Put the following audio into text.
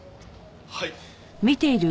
はい。